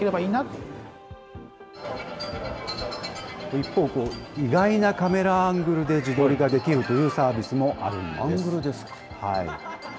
一方、意外なカメラアングルで自撮りができるというサービスアングルですか。